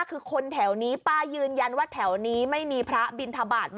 อืมแล้วละป้าเอาที่ไหนมาพูด